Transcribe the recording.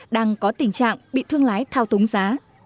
đang có tình trạng bị thương lái thao túng giá